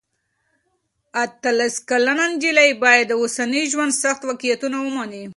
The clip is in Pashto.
اتلس کلنه نجلۍ باید د اوسني ژوند سخت واقعیتونه ومني.